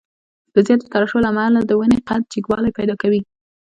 د زیاتې ترشح له امله د ونې قد جګوالی پیدا کوي.